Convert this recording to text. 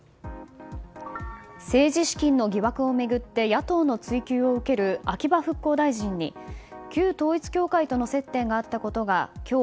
政治資金の疑惑を巡って野党の追及を受ける秋葉復興大臣に旧統一教会との接点があったことが今日